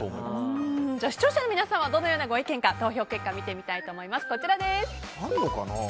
視聴者の皆さんはどのようなご意見か投票結果を見てみたいと思います。